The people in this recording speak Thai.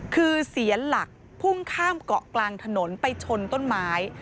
คือเสียหลักพุ่งข้ามเกาะกลางถนนไปชนต้นไม้